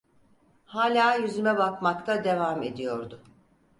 Hâlâ yüzüme bakmakta devam ediyordu.